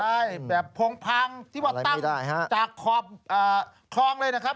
ใช่แบบโพงพังที่ว่าตั้งจากขอบคลองเลยนะครับ